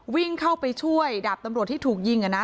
วิ่งเข้าไปช่วยดาบตำรวจที่ถูกยิง